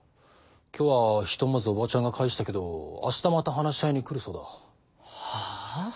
今日はひとまずオバチャンが帰したけど明日また話し合いに来るそうだ。はあ！？